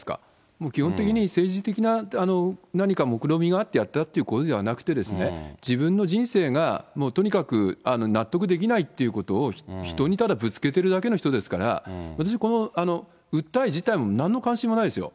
もう基本的に政治的な何かもくろみがあってやったということではなくてですね、自分の人生が、もうとにかく納得できないということを人にただぶつけてるだけの人ですから、私、この訴え自体もなんの関心もないですよ。